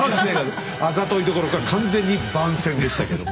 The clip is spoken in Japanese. あざといどころか完全に番宣でしたけど。